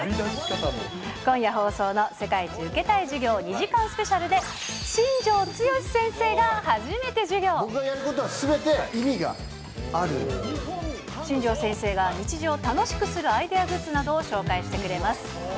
今夜放送の世界一受けたい授業２時間スペシャルで、僕がやることはすべて意味が新庄先生が、日常を楽しくするアイデアグッズを紹介してくれます。